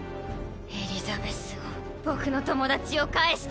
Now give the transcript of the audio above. エリザベスを僕の友達を返して。